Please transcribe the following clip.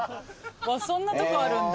そんなとこあるんだ。